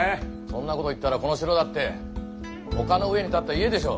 そんな事言ったらこの城だって丘の上に建った家でしょ？